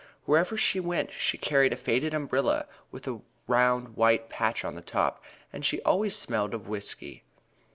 Wherever she went she carried a faded umbrella with a round white patch on top, and she always smelled of whisky.